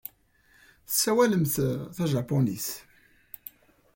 Tessawalemt tajapunit.